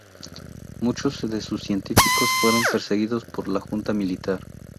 Muchos de sus científicos fueron perseguidos por la Junta Militar.